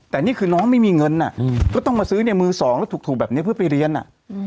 แต่นี่คือน้องไม่มีเงินก็ต้องมาซื้อในมือสองแล้วถูกแบบนี้เพื่อไปเรียน